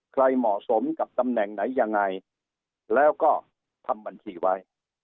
เหมาะสมกับตำแหน่งไหนยังไงแล้วก็ทำบัญชีไว้